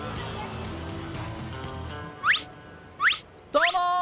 どうもー！